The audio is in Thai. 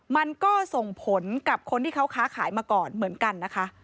มันก็ส่งผลกับคนที่เขาค้าขายมาก่อนเหมือนกันนะคะ